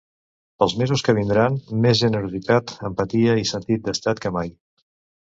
Pels mesos que vindran, més generositat, empatia i sentit d’estat que mai.